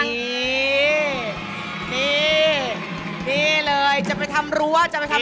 นี่นี่เลยจะไปทำรั้ว